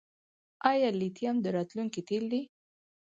آیا لیتیم د راتلونکي تیل دي؟